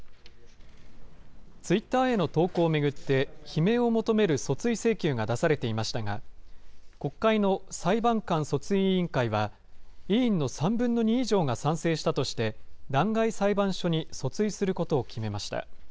ツイッターへの投稿を巡って、罷免を求める訴追請求が出されていましたが、国会の裁判官訴追委員会は、委員の３分の２以上が賛成したとして、弾劾裁判所に訴追することを決めました。